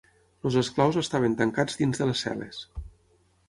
Els esclaus estaven tancats dins de les cel·les.